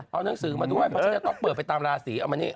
เอานังสือมาด้วยเพราะฉะนั้นจะต้องเปิดไปตามราศีเอามานี่